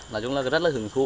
nói chung là rất là hứng thú